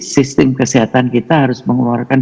sistem kesehatan kita harus mengeluarkan